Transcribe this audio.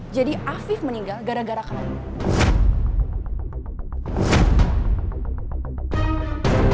jadi afid meninggal gara gara kamu